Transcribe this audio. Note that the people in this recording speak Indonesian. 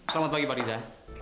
selamat pagi pak riza